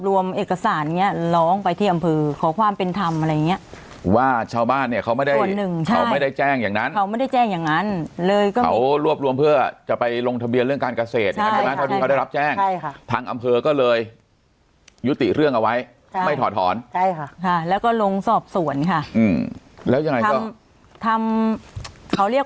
ว่าต้องเสียคืออะไรพี่เป็นที่รู้กันว่าต้องเสีย